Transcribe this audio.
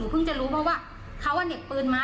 เพิ่งจะรู้เพราะว่าเขาเหน็บปืนมา